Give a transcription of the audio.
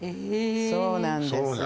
そうなんです。